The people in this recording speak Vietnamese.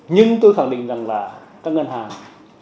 nhưng tôi khẳng định rằng là các ngân hàng